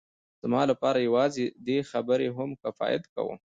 زما لپاره یوازې دې خبرې هم کفایت کاوه